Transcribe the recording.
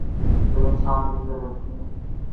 جب انسان مل کر رہتے ہیں۔